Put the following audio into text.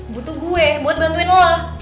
butuh gue buat bantuin uang